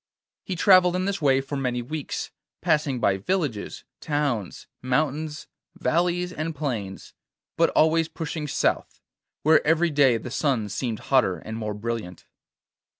He travelled in this way for many weeks, passing by villages, towns, mountains, valleys, and plains, but always pushing south, where every day the sun seemed hotter and more brilliant.